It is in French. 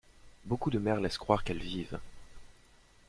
Beaucoup de mères laissent croire qu'elles vivent.